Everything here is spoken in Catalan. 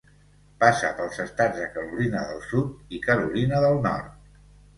Passa pels estats de Carolina del Sud i Carolina del Nord.